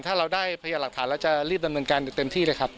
ถ้าเราได้พยายามหลักฐานแล้วจะรีบดำเนินการอย่างเต็มที่เลยครับ